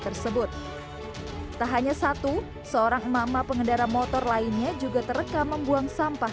tersebut tak hanya satu seorang emak emak pengendara motor lainnya juga terekam membuang sampah